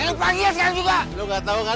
lu nggak tahu kan